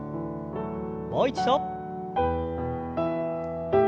もう一度。